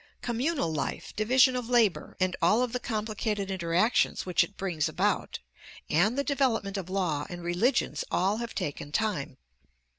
Communal life, division of labor and all of the complicated interactions which it brings about, and the development of law and religions all have taken time.